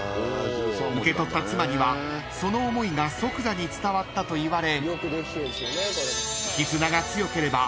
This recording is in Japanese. ［受け取った妻にはその思いが即座に伝わったといわれ］